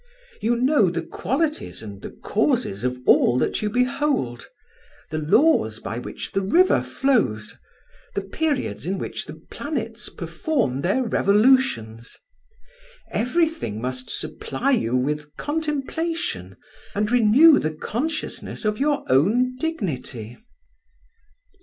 You know the qualities and the causes of all that you behold—the laws by which the river flows, the periods in which the planets perform their revolutions. Everything must supply you with contemplation, and renew the consciousness of your own dignity."